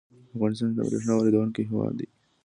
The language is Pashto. افغانستان د بریښنا واردونکی هیواد دی